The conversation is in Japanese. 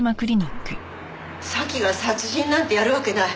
沙希が殺人なんてやるわけない。